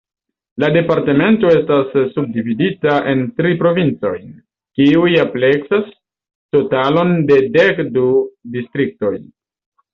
La departemento estas subdividita en tri provincojn, kiuj ampleksas totalon de dek du distriktoj.